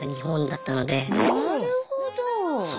なるほど。